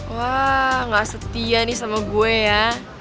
wah nggak setia nih sama gue ya